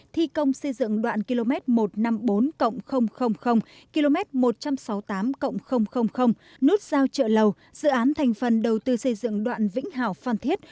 thi công xây dựng đoạn km một trăm năm mươi bốn km một trăm sáu mươi tám nút giao chợ lầu dự án thành phần đầu tư xây dựng đoạn vĩnh hảo phan thiết